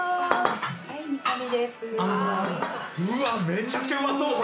めちゃくちゃうまそう！